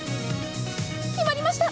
決まりました。